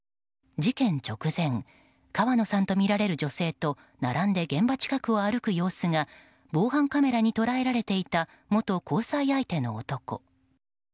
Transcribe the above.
事件直前、川野さんとみられる女性と並んで現場近くを歩く様子が防犯カメラに捉えられていた元交際相手の男。